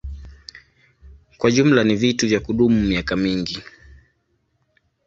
Kwa jumla ni vitu vya kudumu miaka mingi.